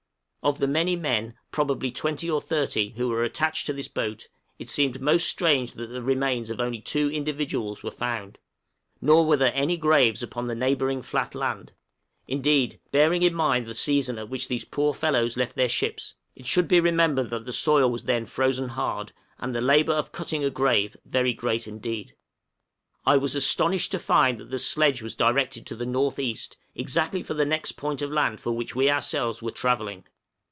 Of the many men, probably twenty or thirty, who were attached to this boat, it seemed most strange that the remains of only two individuals were found, nor were there any graves upon the neighboring flat land; indeed, bearing in mind the season at which these poor fellows left their ships, it should be remembered that the soil was then frozen hard, and the labor of cutting a grave very great indeed. I was astonished to find that the sledge was directed to the N.E., exactly for the next point of land for which we ourselves were travelling!